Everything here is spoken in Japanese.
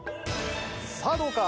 さあどうか？